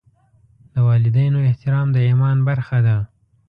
د والدینو احترام د ایمان برخه ده.